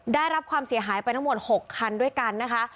ได้รับความเสียหายไปทั้งหมด๖คันด้วยกันนะคะ